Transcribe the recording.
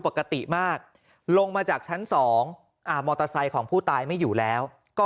ปกติมากลงมาจากชั้น๒มอเตอร์ไซค์ของผู้ตายไม่อยู่แล้วก็